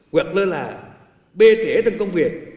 hoặc là bê trẻ trong công việc